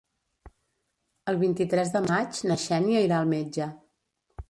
El vint-i-tres de maig na Xènia irà al metge.